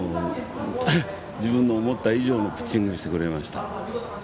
自分の思った以上のピッチングをしてくれました。